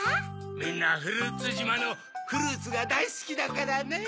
みんなフルーツじまのフルーツがだいスキだからねぇ。